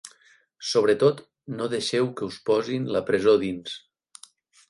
Sobretot, no deixeu que us posin la presó dins.